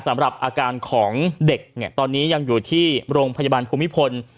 สำหรับอาการของเด็กเนี่ยตอนนี้ยังอยู่ที่โรงพยาบาลภูมิพล